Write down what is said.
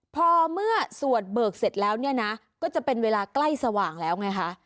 พอเมื่อสวดเบิกเสร็จแล้วเนี่ยนะก็จะเป็นเวลาใกล้สว่างแล้วไงคะ